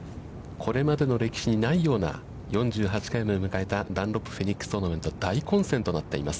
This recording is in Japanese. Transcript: これまでの歴史にないような４８回目を迎えたダンロップフェニックストーナメント、大混戦となっています。